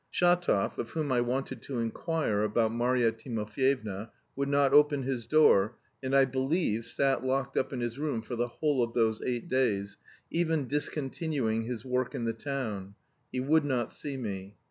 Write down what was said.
Shatov, of whom I wanted to inquire about Marya Timofyevna, would not open his door, and I believe sat locked up in his room for the whole of those eight days, even discontinuing his work in the town. He would not see me.